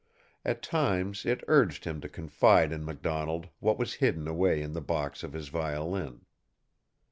At times it urged him to confide in MacDonald what was hidden away in the box of his violin.